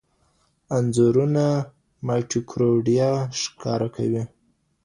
انځورونه مایټوکونډریا ښکاره کوي.